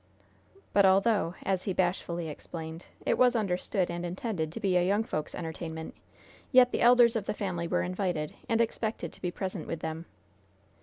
"But, although," as he bashfully explained, "it was understood and intended to be a young folks' entertainment, yet the elders of the family were invited, and expected to be present with them."